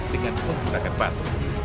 dengan menggunakan batu